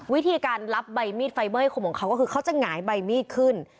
วิธีการรับใบมีดไฟเบอร์ยคมของเขาก็คือเขาจะหงายใบมีดขึ้น